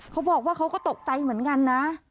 เขาบอกว่าเขาก็ตกใจเหมือนกันนะ